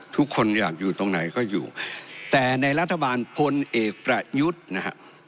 ทุกคนอยากอยู่ตรงไหนก็อยู่แต่ในรัฐบาลพลเอกประยุทธ์นะฮะ